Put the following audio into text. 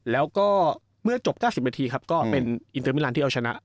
แล้วก็เมื่อจบ๙๐นาทีครับก็เป็นอินเตอร์มิลันที่เอาชนะ